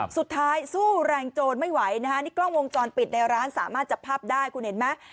สู้แรงโจรไม่ไหวนะฮะนี่กล้องวงจรปิดในร้านสามารถจับภาพได้คุณเห็นไหม